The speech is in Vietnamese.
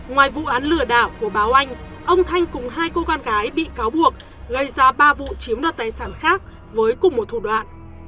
ngoài vụ án lừa đảo của báo anh ông thanh cùng hai cô con gái bị cáo buộc gây ra ba vụ chiếm đoạt tài sản khác với cùng một thủ đoạn